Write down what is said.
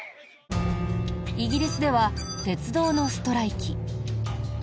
イギリスでは鉄道のストライキ。